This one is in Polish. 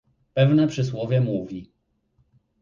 Pewne przysłowie mówi